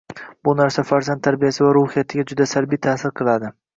Bu narsa farzand tarbiyasi va ruhiyatiga juda salbiy ta'sir qiladi.